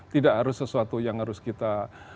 tidak harus sesuatu yang harus kita